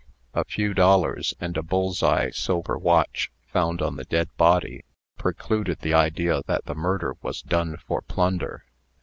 A few dollars and a bull's eye silver watch, found on the dead body, precluded the idea that the murder was done for plunder.